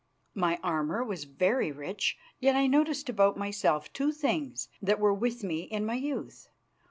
My armour was very rich, yet I noted about myself two things that were with me in my youth.